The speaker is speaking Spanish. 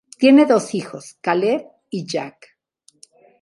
Tiene dos hijos: Caleb y Jack.